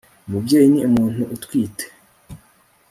umubyeyi ni umuntu utwite